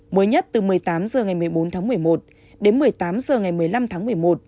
mới nhất từ một mươi tám h ngày một mươi bốn tháng một mươi một đến một mươi tám h ngày một mươi năm tháng một mươi một